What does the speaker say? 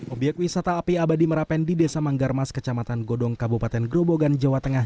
obyek wisata api abadi merapen di desa manggarmas kecamatan godong kabupaten grobogan jawa tengah